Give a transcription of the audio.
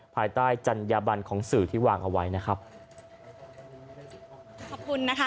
ภายใต้จัญญาบันของสื่อที่วางเอาไว้นะครับขอบคุณนะคะ